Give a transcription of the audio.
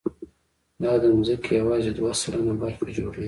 دا د ځمکې یواځې دوه سلنه برخه جوړوي.